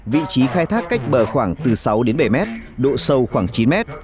vị trí khai thác cách bờ khoảng từ sáu đến bảy m độ sâu khoảng chín m